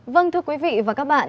vâng thưa quý vị và các bạn